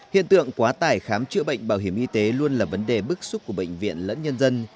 hiện tượng quá tải khám chữa bệnh bảo hiểm y tế luôn là vấn đề bức xúc của bệnh viện lẫn nhân dân